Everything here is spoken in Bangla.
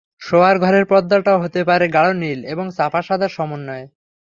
শোয়ার ঘরের পর্দাটা হতে পারে গাঢ় নীল এবং চাপা সাদার সমন্বয়ে।